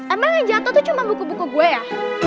emang yang jatuh tuh cuma buku buku gue ya